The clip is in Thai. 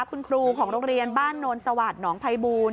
คุณครูของโรงเรียนบ้านโนนสวัสดิ์หนองภัยบูล